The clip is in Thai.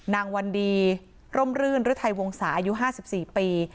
นางวันดีร่มรื่นฤทัยวงศาอายุห้าสิบสี่ปี